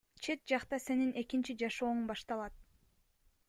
Чет жакта сенин экинчи жашооң башталат.